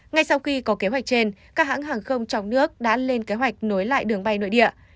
ngay sau khi có kế hoạch trên các hãng hàng không trong nước đã lên kế hoạch nối lại đường bay nội địa